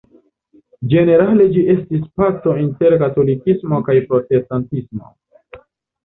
Ĝenerale ĝi estis paco inter katolikismo kaj protestantismo.